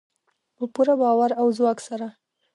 په پوره باور او ځواک سره.